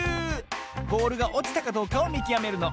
ボールがおちたかどうかをみきわめるの。